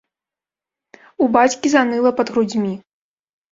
У бацькі заныла пад грудзьмі.